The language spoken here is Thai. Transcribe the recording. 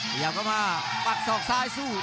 พยายามก็มามักซอกซ้ายสู้